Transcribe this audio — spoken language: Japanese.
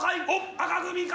赤組か？